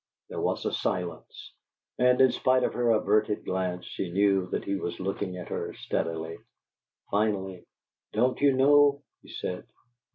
There was a silence, and in spite of her averted glance she knew that he was looking at her steadily. Finally, "Don't you know?" he said.